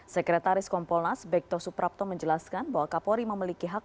sekretaris kompolnas bekto suprapto menjelaskan bahwa kapolri memiliki hak